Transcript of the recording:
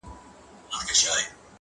• د ښځو او نجونو -